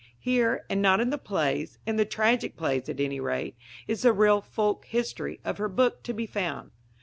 Here, and not in the plays in the tragic plays, at any rate is the real "folk history" of her book to be found.